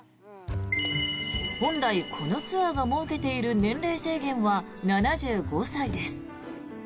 本来、このツアーが設けている年齢制限は７５歳です。